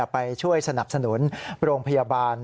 ไปช่วยสนับสนุนโรงพยาบาล